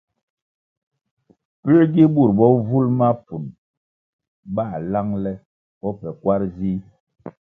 Puē gi bur bovul mapfunʼ ba lang le o pa kwar zih?